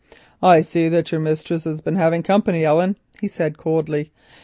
"I see that your mistress has been having company, Ellen," he said coldly.